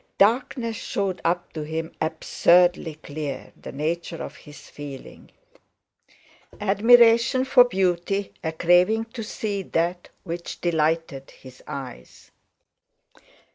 Darkness showed up to him absurdly clear the nature of his feeling. Admiration for beauty—a craving to see that which delighted his eyes.